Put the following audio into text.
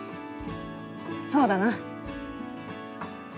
そうだな。